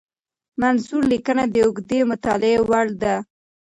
منثور لیکنه د اوږدې مطالعې وړ ده.